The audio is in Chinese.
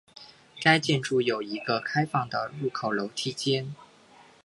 该建筑有一个开放的入口楼梯间。